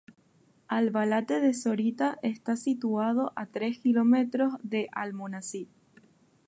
Albalate de Zorita está situada a tres kilómetros de Almonacid.